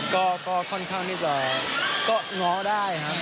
ก็ค่อนข้างที่จะก็ง้อได้ครับ